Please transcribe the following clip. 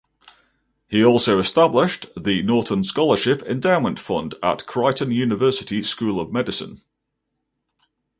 He also established the Norton Scholarship Endowment Fund at Creighton University School of Medicine.